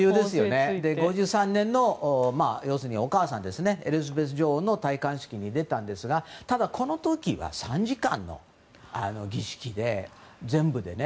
１９５３年の要するにお母さんエリザベス女王の戴冠式に出たんですがただ、この時は３時間の儀式で全部でね。